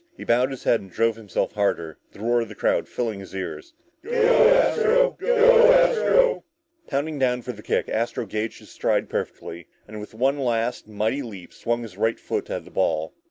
He bowed his head and drove himself harder, the roar of the crowd filling his ears. "... Go Astro!... Go Astro!..." Pounding down for the kick, Astro gauged his stride perfectly and with one last, mighty leap swung his right foot at the ball.